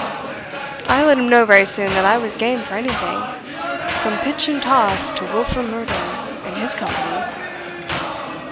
"I let him know very soon that I was game for anything, from pitch and toss to wilful murder, in his company.